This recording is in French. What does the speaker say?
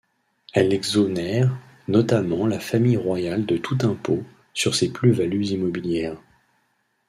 Elle exonère notamment la famille royale de tout impôt sur ses plus-values immobilières.